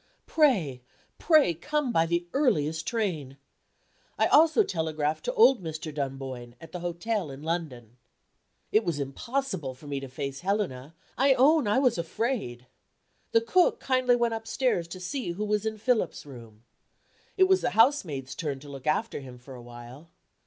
Pray, pray come by the earliest train. I also telegraphed to old Mr. Dunboyne, at the hotel in London. It was impossible for me to face Helena; I own I was afraid. The cook kindly went upstairs to see who was in Philip's room. It was the housemaid's turn to look after him for a while.